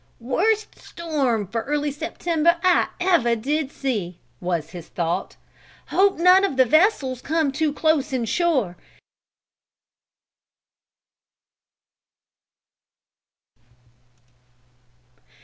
"Worst storm for early September I ever see!" was his thought. "Hope none of the vessels come too close in shore.